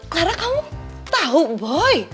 clara kamu tau boy